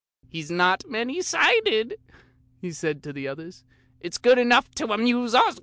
He's not many sided," he said to the others; "it's good enough to amuse us!"